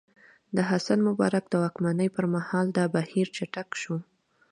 د حسن مبارک د واکمنۍ پر مهال دا بهیر چټک شو.